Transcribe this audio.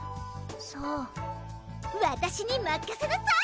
さぁわたしにまかせなさい！